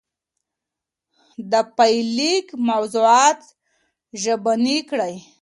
د پايليک موضوعات ژبني کړئ.